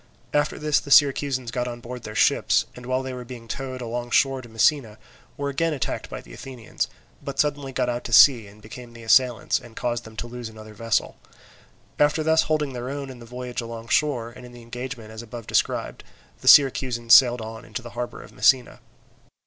After this the Syracusans got on board their ships, and while they were being towed alongshore to Messina, were again attacked by the Athenians, but suddenly got out to sea and became the assailants, and caused them to lose another vessel. After thus holding their own in the voyage alongshore and in the engagement as above described, the Syracusans sailed on into the harbour of Messina.